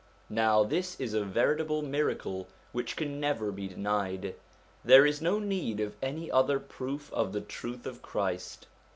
Now this is a veritable miracle which can never be denied. There is no need of any other proof of the truth of Christ.